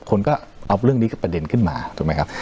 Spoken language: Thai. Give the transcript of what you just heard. คนก็เอาเรื่องนี้กับประเด็นขึ้นมาถูกไหมครับ